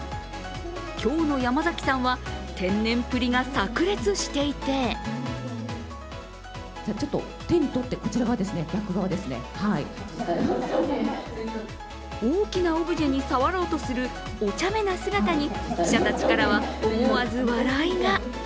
今日の山崎さんは天然ぷりがさく裂していて大きなオブジェに触ろうとするおちゃめな姿に記者たちから思わず笑いが。